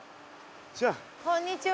こんにちは。